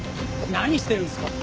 何してるんですか！